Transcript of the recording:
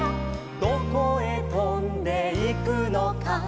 「どこへとんでいくのか」